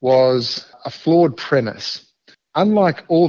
ada premisi yang salah